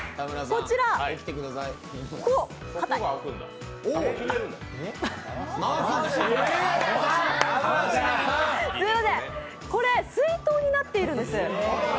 こちら水筒になっているんです。